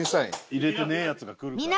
入れてねえヤツが来るから。